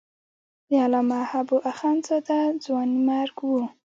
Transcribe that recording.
د علامه حبو اخند زاده ځوانیمرګ و.